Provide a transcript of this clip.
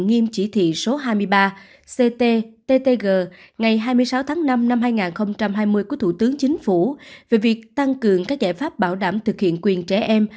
nghiêm chỉ thị số hai mươi ba cttg ngày hai mươi sáu tháng năm năm hai nghìn hai mươi của thủ tướng chính phủ về việc tăng cường các giải pháp bảo đảm thực hiện quyền trẻ em